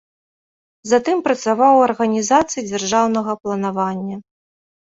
Затым працаваў у арганізацыі дзяржаўнага планавання.